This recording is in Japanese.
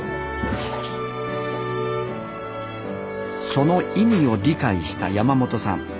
その意味を理解した山本さん。